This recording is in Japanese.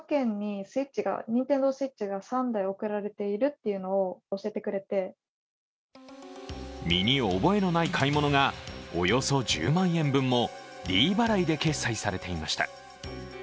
その結果身に覚えのない買い物がおよそ１０万円分もｄ払いで決済されていました。